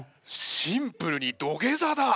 シンプルに土下座だ！